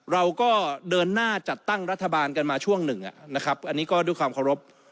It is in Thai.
เราก็เดินหน้าจัดตั้งรัฐบาลกันมาช่วงหนึ่งนะครับอันนี้ก็ด้วยความเคารพ